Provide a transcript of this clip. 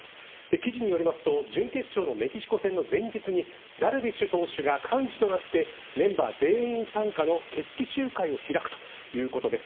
記事によりますと準決勝のメキシコ戦の前日にダルビッシュ投手が幹事となってメンバー全員参加の決起集会を開くということです。